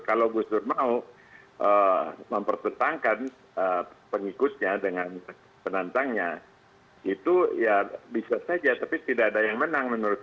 kalau gus dur ingin memperbetulkan pendukungnya dengan penantanya itu bisa saja tapi tidak ada yang menang menurut dia